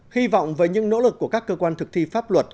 hy vọng với những nỗ lực của các cơ quan thực thi pháp luật